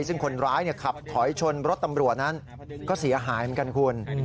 ซึ่งคนร้ายขับถอยชนรถตำรวจนั้นก็เสียหายเหมือนกันคุณ